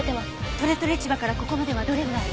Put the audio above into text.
とれとれ市場からここまではどれぐらい？